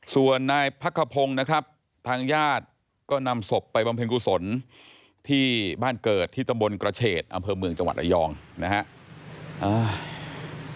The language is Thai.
ส่วนนายพักขพงศ์นะครับทางญาติก็นำศพไปบำเพ็ญกุศลที่บ้านเกิดที่ตำบลกระเฉดอำเภอเมืองจังหวัดระยองนะครับ